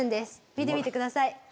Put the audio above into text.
見てみて下さい。